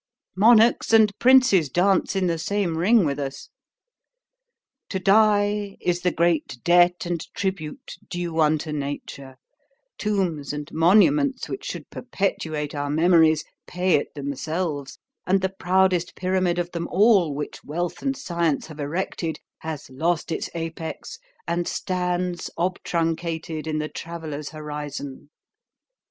"Monarchs and princes dance in the same ring with us. "—To die, is the great debt and tribute due unto nature: tombs and monuments, which should perpetuate our memories, pay it themselves; and the proudest pyramid of them all, which wealth and science have erected, has lost its apex, and stands obtruncated in the traveller's horizon."